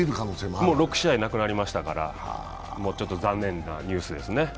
もう６試合なくなりましたから、残念なニュースですね。